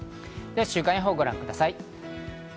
週間予報をご覧ください。